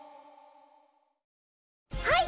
はい！